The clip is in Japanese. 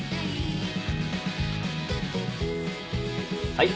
はい。